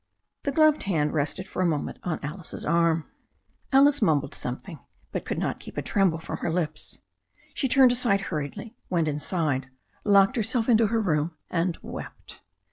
The gloved hand rested for a moment on Alice's arm. Alice mumbled something, but could not keep a tremble from her lips. She turned away hurriedly, went inside, locked herself into her room, and wept.